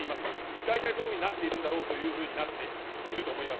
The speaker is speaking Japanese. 大体そういうふうになっているんだろうというふうになっていると思います。